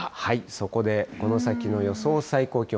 そこで、この先の予想最高気温。